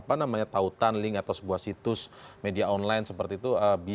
apa namanya tautan link atau sebuah situs media online seperti itu